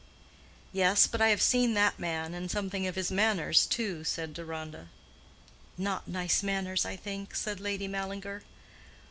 "Yes; but I have seen that man, and something of his manners too," said Deronda. "Not nice manners, I think," said Lady Mallinger.